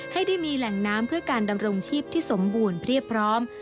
ให้ได้มีแหล่งน้ำเพื่อการดำรงชีพที่สมบูรณ์เรียบพร้อม